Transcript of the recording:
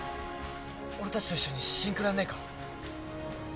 俺たちと一緒にシンクロやんねえか？